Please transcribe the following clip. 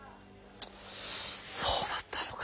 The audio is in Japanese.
そうだったのか。